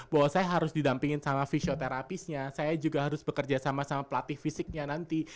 bahwa saya harus didampingin sama fisioterapisnya saya juga harus bekerja sama sama pelatih fisiknya nanti